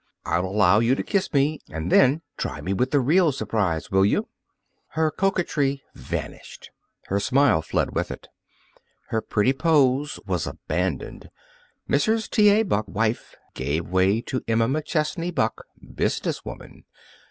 "I'll allow you to kiss me. And then try me with the real surprise, will you?" Her coquetry vanished. Her smile fled with it. Her pretty pose was abandoned. Mrs. T. A. Buck, wife, gave way to Emma McChesney Buck, business woman.